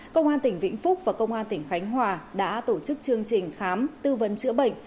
công an tỉnh vĩnh phúc và công an tỉnh khánh hòa đã tổ chức chương trình khám tư vấn chữa bệnh